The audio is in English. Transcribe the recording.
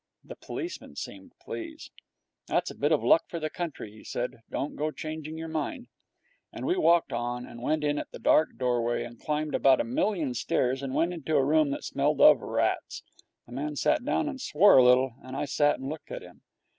The policeman seemed pleased. 'That's a bit of luck for the country,' he said. 'Don't go changing your mind.' And we walked on, and went in at the dark doorway, and climbed about a million stairs and went into a room that smelt of rats. The man sat down and swore a little, and I sat and looked at him.